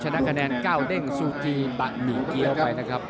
ชนะคะแนนก้าวเด้งซูจีบะหมี่เกี้ยวไปนะครับ